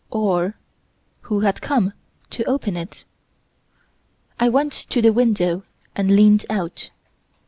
Or, who had come to open it? I went to the window and leaned out.